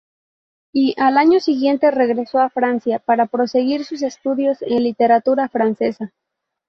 Y, al año siguiente regresó a Francia para proseguir sus estudios en literatura francesa.